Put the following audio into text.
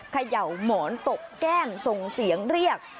เขย่าหมอนตกแก้มส่งเสียงเรียก